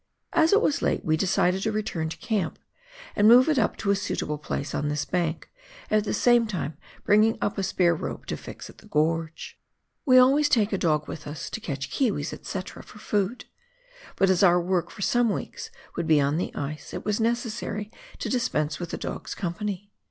As it was late we decided to return to camp and move it up to a suitable place on this bank, at the same time bringing up a spare rope to fix at the gorge. "We always take a dog with us, to catch kiwis, &c., for food, but as our work for some weeks would be on the ice, it was necessary to dispense with the dog's company.